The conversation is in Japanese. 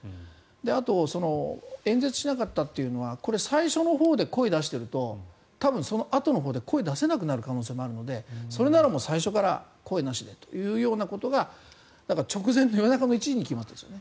あと、演説しなかったというのはこれ、最初のほうで声を出していると多分そのあとのほうで声が出せなくなる可能性があるのでそれなら最初から声なしでというようなことが直前の夜中の１時に決まったそうです。